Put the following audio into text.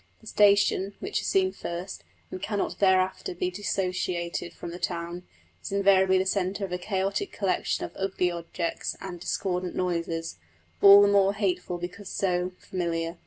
The station, which is seen first, and cannot thereafter be dissociated from the town, is invariably the centre of a chaotic collection of ugly objects and discordant noises, all the more hateful because so familiar.